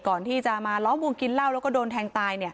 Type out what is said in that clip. ก่อนที่จะมาล้อมวงกินเหล้าแล้วก็โดนแทงตาย